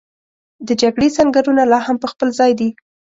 د جګړې سنګرونه لا هم په خپل ځای دي.